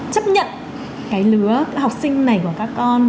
chấp nhận cái lứa học sinh này của các con